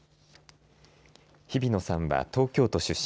日比野さんは東京都出身。